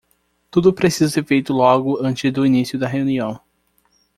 Tudo precisa ser feito logo antes do início da reunião.